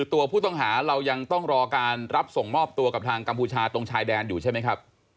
ตัวผู้ต้องหาเรายังต้องรอการรับส่งมอบตัวกับทางกัมพูชาตรงชายแดนอยู่ใช่ไหมครับ